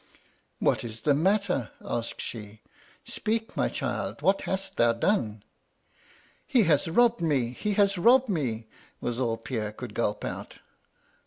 "' What is the matter ?' asked she. ' Speak, my child. What hast thou done V "* He has robbed me 1 he has robbed me !' was all Pierre could gulp out.